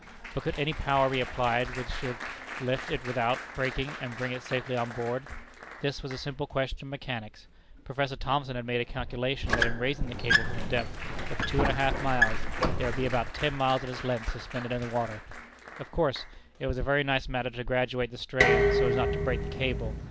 But could any power be applied which should lift it without breaking, and bring it safely on board? This was a simple question of mechanics. Prof. Thomson had made a calculation that in raising the cable from a depth of two and a half miles, there would be about ten miles of its length suspended in the water. Of course, it was a very nice matter to graduate the strain so as not to break the cable.